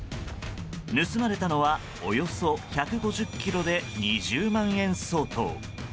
盗まれたのはおよそ１５０ｋｇで２０万円相当。